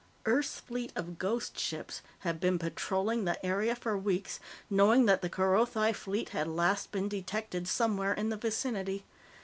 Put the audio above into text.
Earth's fleet of "ghost ships" had been patrolling the area for weeks, knowing that the Kerothi fleet had last been detected somewhere in the vicinity.